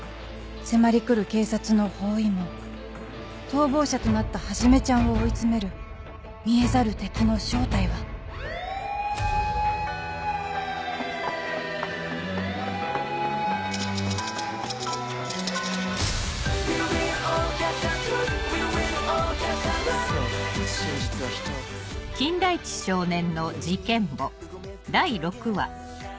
迫り来る警察の包囲網逃亡者となったはじめちゃんを追い詰める見えざる敵の正体はさすが橘五柳ですね。